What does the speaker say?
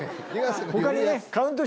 他にね。